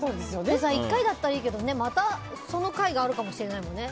１回だったらいいけどまたその会があるかもしれないからね。